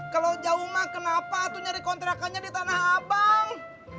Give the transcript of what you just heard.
kalau jauh mah kenapa tuh nyari kontrakannya di tanah abang